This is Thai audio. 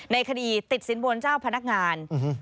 ในคดีติดสินบนเจ้าพนักงาน